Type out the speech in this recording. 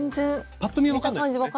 パッと見は分かんないですね。